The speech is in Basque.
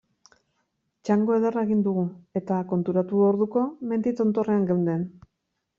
Txango ederra egin dugu eta konturatu orduko mendi tontorrean geunden.